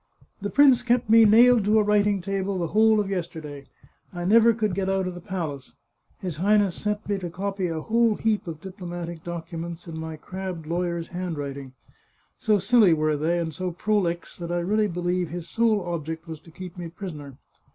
" The prince kept me nailed to a writing table the whole of yesterday; I never could get out of the palace. His Highness set me to copy a whole heap of diplomatic docu ments in my crabbed lawyer's writing. So silly were they, and so prolix, that I really believe his sole object was to keep me prisoner.